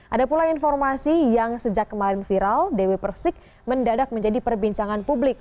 ada pula informasi yang sejak kemarin viral dewi persik mendadak menjadi perbincangan publik